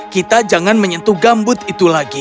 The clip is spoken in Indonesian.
kita jangan menyentuh gambut itu lagi